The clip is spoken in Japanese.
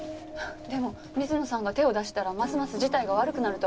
でも水野さんが手を出したらますます事態が悪くなるとは思わないの？